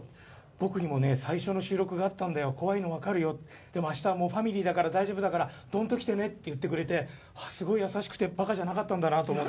僕にも最初の収録があったんだよ、怖いの分かるよ、でもあしたはもうファミリーだから、大丈夫だから、どーんと来てねと言ってくれて、ああ、すごい優しくて、バカじゃなかったんだなって。